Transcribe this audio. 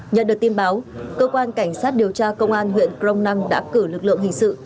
nhận được tin báo cơ quan cảnh sát điều tra công an huyện crong năng đã cử lực lượng hình sự